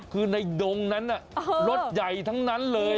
คือในดงนั้นรถใหญ่ทั้งนั้นเลย